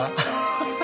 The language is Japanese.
ハハハハ！